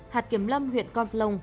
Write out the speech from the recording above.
hạt kiểm lâm huyện con plong